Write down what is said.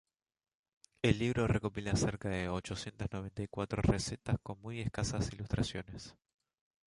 El libro recopila cerca de ochocientas noventa cuatro recetas con muy escasas ilustraciones.